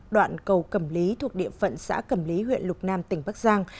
đoạn cầu cẩm lý thuộc địa phận xã cẩm lý huyện lục nam tỉnh bắc giang